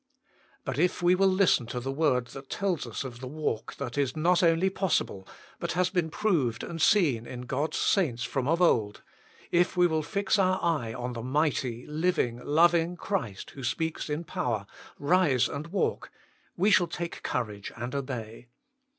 But if we will listen to the word that tells us of the walk that is not only possible, but has been proved and seen in God s saints from of old, if we will fix our eye on the mighty, living, loving Christ, who speaks in power, " Else and walk," we shall take courage and obey.